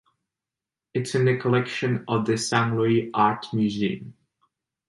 It is in the collection of the Saint Louis Art Museum.